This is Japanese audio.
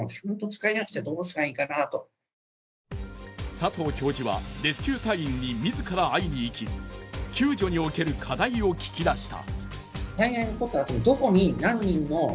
佐藤教授はレスキュー隊員に自ら会いに行き救助における課題を聞き出した。